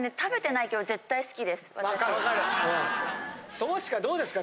友近どうですか？